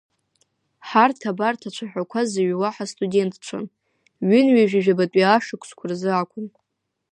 Ҳарҭ абарҭ ацәаҳәақәа зыҩуа ҳастудентцәан, ҩынҩажәижәабатәи ашықәсқәа рзы акәын.